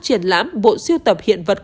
triển lãm bộ siêu tập hiện vật